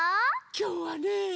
きょうはね。